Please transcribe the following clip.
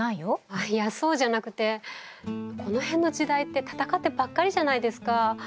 あっいやそうじゃなくてこの辺の時代って戦ってばっかりじゃないですか。